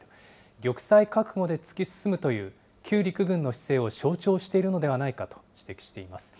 玉砕覚悟で突き進むという、旧陸軍の姿勢を象徴しているのではないかと指摘しています。